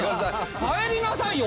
帰りなさいよ。